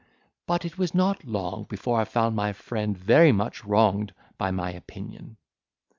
But it was not long before I found my friend very much wronged by my opinion.